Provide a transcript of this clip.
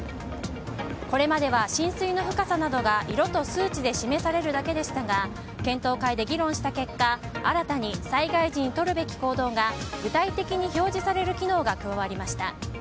これまでは浸水の深さなどが色と数値で示されるだけでしたが検討会で議論した結果新たに災害時に取るべき行動が具体的に表示される機能が加わりました。